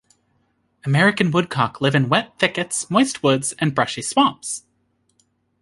American woodcock live in wet thickets, moist woods, and brushy swamps.